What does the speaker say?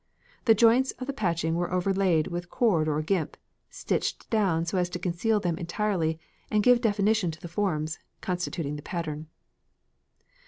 The joints of the patching were overlaid with cord or gimp, stitched down so as to conceal them entirely and give definition to the forms constituting the pattern.